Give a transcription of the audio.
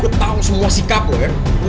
gue tau semua sikap lo ya